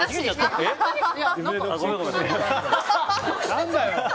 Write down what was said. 何だよ！